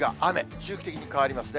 周期的に変わりますね。